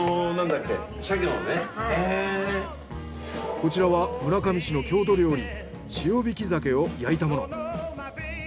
こちらは村上市の郷土料理塩引き鮭を焼いたもの。